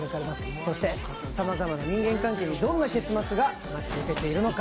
そしてさまざまな人間関係にどんな結末が待ち受けているのか。